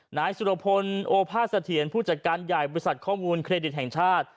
นายสุรพลโอภาษเถียรผู้จัดการใหญ่บริษัทข้อมูลเครดิตแห่งชาติ